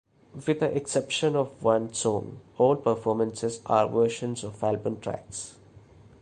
With the exception of one song, all performances are versions of album tracks.